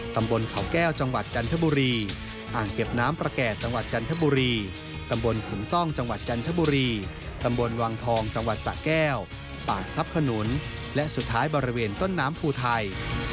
ตำบลขุมซ่องจังหวัดจันทบุรีตำบลวางทองจังหวัดสะแก้วปากทรัพย์ขนุนและสุดท้ายบริเวณต้นน้ำภูไทย